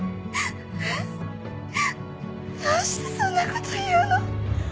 どうしてそんなこと言うの？